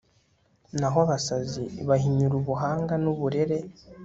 naho abasazi bahinyura ubuhanga n'uburere